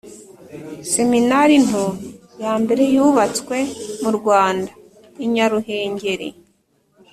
seminari nto yambere yubatswe mu rwanda, i nyaruhengeri